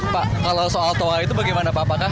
pak kalau soal toa itu bagaimana pak